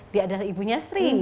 dia adalah ibunya sri